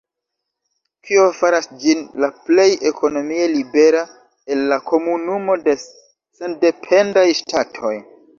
Kio faras ĝin la plej ekonomie libera el la Komunumo de Sendependaj Ŝtatoj.